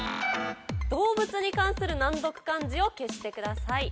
動物に関する難読漢字を消してください。